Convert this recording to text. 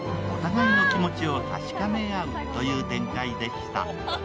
お互いの気持ちを確かめ合うという展開でした。